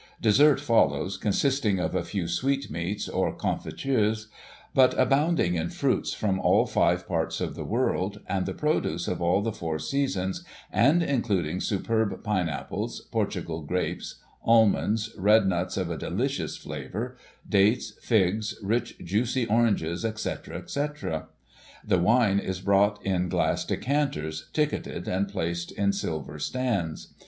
Dessert follows, consisting of a few sweetmeats, or conjitures, but abounding in fruits from all five parts of the world, and the produce of all the four seasons, and including superb pine apples, Portugal grapes, almonds, red nuts of a delicious flavour, dates, figs, rich juicy oranges, etc., etc. The wine is brought on in glass decanters, ticketed and placed in silver stands.